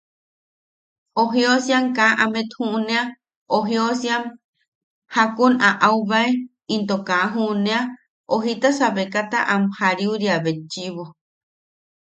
O jiosiam kaa amet juʼunea o jiosiam jakun aʼaubae into kaa juʼunea o jitasa becata am jariuria betchiʼibo.